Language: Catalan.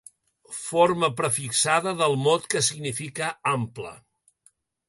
Forma prefixada del mot que significa ample.